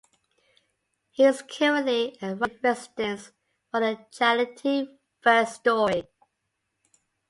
He is currently a writer-in-residence for the charity First Story.